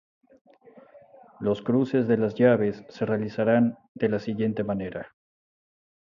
Los cruces de las llaves se realizarán de la siguiente manera.